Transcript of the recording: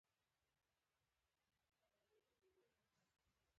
پنځه فلاني کاله د نړۍ په شاوخوا وګرځېدم.